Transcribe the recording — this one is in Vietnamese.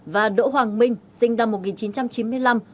và đỗ hoàng minh sinh năm một nghìn chín trăm chín mươi năm